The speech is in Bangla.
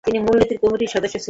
তিনি মূলনীতি কমিটির সদস্য ছিলেন।